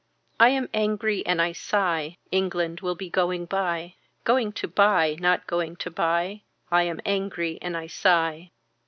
I am angry and I sigh. England will be going by. Going to buy not going to buy. I am angry and I sigh.